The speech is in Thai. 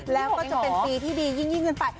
แล้วก็จะเป็นปีที่ดียิ่งขึ้นไป